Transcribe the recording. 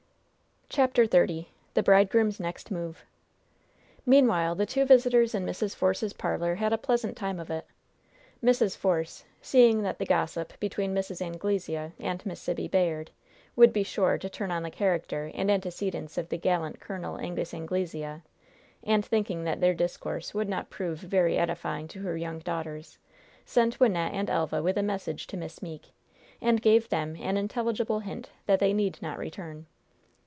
CHAPTER XXX THE BRIDEGROOM'S NEXT MOVE Meanwhile the two visitors in Mrs. Force's parlor had a pleasant time of it. Mrs. Force, seeing that the gossip between Mrs. Anglesea and Miss Sibby Bayard would be sure to turn on the character and antecedents of the gallant Col. Angus Anglesea, and thinking that their discourse would not prove very edifying to her young daughters, sent Wynnette and Elva with a message to Miss Meeke, and gave them an intelligible hint that they need not return.